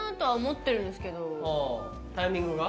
タイミングが？